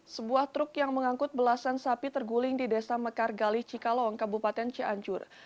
sebuah truk yang mengangkut belasan sapi terguling di desa mekargali cikalong kabupaten cianjur